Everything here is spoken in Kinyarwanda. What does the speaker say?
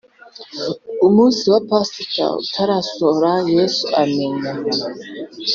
Umunsi wa pasika utarasohora yesu amenya